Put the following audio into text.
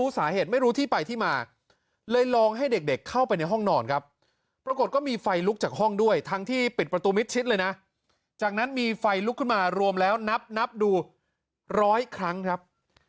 จากนั้นมีไฟลุกขึ้นมารวมแล้วนับนับดูร้อยครั้งครับ